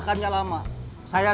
kenapa kita melambang